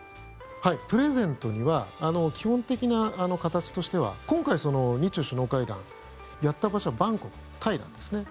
はい、プレゼントには基本的な形としては今回、日中首脳会談やった場所はバンコク、タイなんですね。